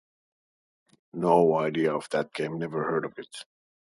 No idea of that game, never heard of it.